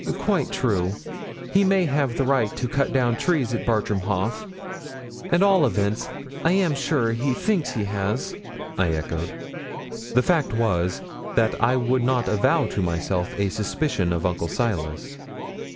'Quite true. He may have the right to cut down trees at Bartram Haugh. At all events, I am sure he thinks he has,' I echoed. The fact was, that I would not avow to myself a suspicion of Uncle Silas.